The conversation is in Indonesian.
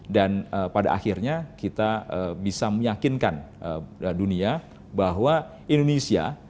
dan pada akhirnya kita bisa meyakinkan dunia bahwa indonesia